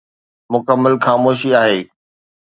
مڪمل خاموشي آهي.